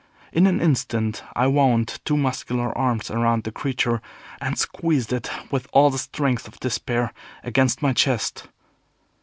In an instant I wound two muscular arms around the creature, and squeezed it, with all the strength of despair, against my chest.